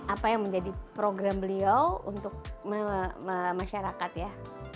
apa yang menjadi program beliau untuk masyarakat ya